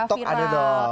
tentok ada dong